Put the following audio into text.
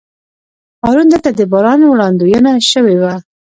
پرون دلته د باران وړاندوینه شوې وه.